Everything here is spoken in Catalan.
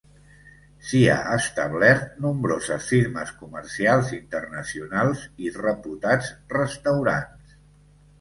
S’hi ha establert nombroses firmes comercials internacionals i reputats restaurants.